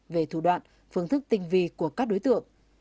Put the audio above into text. về thủ đoạn phương thức tinh vi của các đối tượng